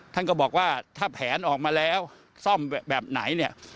ท่านก็บอกว่าถ้าแผนออกมาแล้วซ่อมแบบไหนเนี่ย